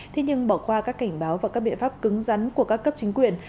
thế nhưng bỏ qua các cảnh báo và các biện pháp cứng rắn của các cấp chính quyền